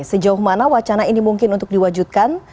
sejauh mana wacana ini mungkin untuk diwajibkan